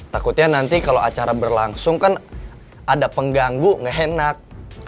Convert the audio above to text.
takutnya nanti kalau acara berlangsung kan ada pengganggu gak enak